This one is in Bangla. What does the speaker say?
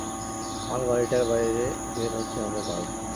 আমাকে বাড়িটার বাইরে বের হতে হবে বাল!